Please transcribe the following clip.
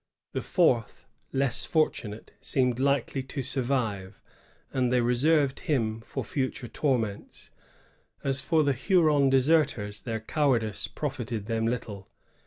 The fourth, less fortunate, seemed likely to survive, and they reserved him for future torments. As for the Huron deserters, their cowardice profited them little.